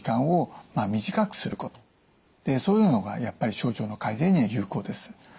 そういうのがやっぱり症状の改善には有効です。